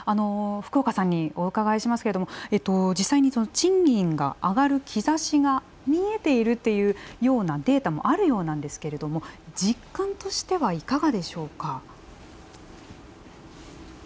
福岡さんにお伺いしますけれども実際に賃金が上がる兆しが見えているというようなデータもあるようなんですけど実感としてはいかがでしょうか？